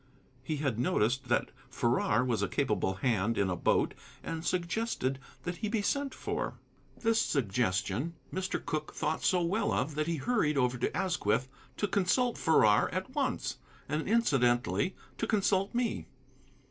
He had noticed that Farrar was a capable hand in a boat, and suggested that he be sent for. This suggestion Mr. Cooke thought so well of that he hurried over to Asquith to consult Farrar at once, and incidentally to consult me.